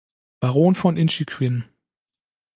Baron von Inchiquin.